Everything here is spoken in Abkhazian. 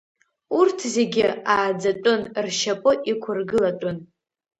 Урҭ зегьы ааӡатәын, ршьапы иқәыргылатәын.